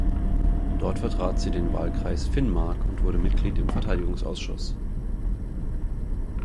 Dort vertrat sie den Wahlkreis Finnmark und wurde Mitglied im Verteidigungsausschuss.